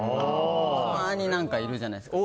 たまに何かいるじゃないですか。